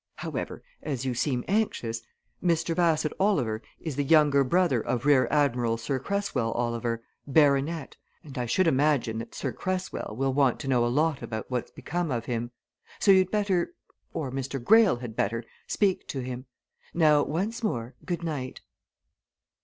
However, as you seem anxious, Mr. Bassett Oliver is the younger brother of Rear Admiral Sir Cresswell Oliver, Baronet, and I should imagine that Sir Cresswell will want to know a lot about what's become of him. So you'd better or Mr. Greyle had better speak to him. Now once more good night."